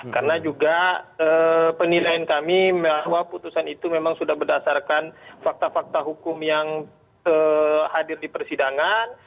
karena juga penilaian kami bahwa putusan itu memang sudah berdasarkan fakta fakta hukum yang hadir di persidangan